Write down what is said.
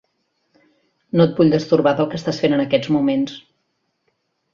No et vull destorbar del que estàs fent en aquests moments.